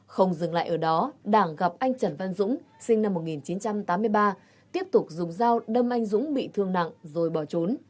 không dừng lại ở đó đảng gặp anh trần văn dũng sinh năm một nghìn chín trăm tám mươi ba tiếp tục dùng dao đâm anh dũng bị thương nặng rồi bỏ trốn